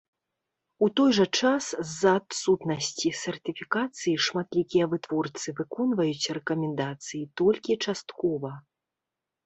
У той жа час, з-за адсутнасці сертыфікацыі шматлікія вытворцы выконваюць рэкамендацыі толькі часткова.